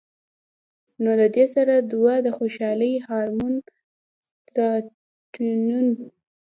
نو د دې سره دوه د خوشالۍ هارمون سېراټونین